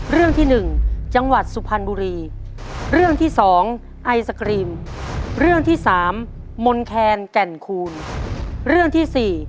เรื่องที่สองไอศกรีมเรื่องที่สามมนแคนแก่นคูณเรื่องที่สี่